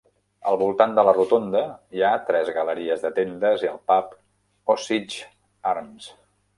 Al voltant de la rotonda hi ha tres galeries de tendes i el pub Osidge Arms.